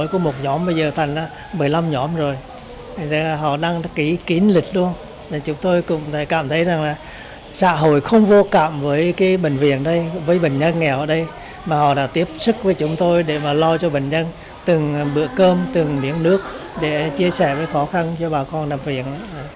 cảm thấy rằng là xã hội không vô cảm với bệnh viện đây với bệnh nhân nghèo ở đây mà họ đã tiếp sức với chúng tôi để mà lo cho bệnh nhân từng bữa cơm từng miếng nước để chia sẻ với khó khăn cho bà con đạp viện